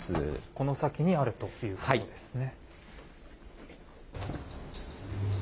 この先にあるということですね。